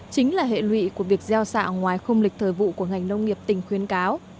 chính là hệ lụy của việc gieo xạ ngoài khung lịch thời vụ của ngành nông nghiệp tỉnh khuyến cáo